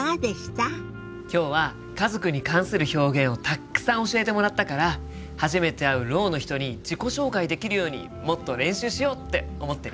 今日は家族に関する表現をたっくさん教えてもらったから初めて会うろうの人に自己紹介できるようにもっと練習しようって思ってるよ。